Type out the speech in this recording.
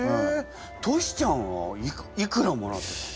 トシちゃんはいくらもらってたの？